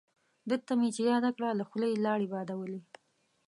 دته مې چې یاده کړه له خولې یې لاړې بادولې.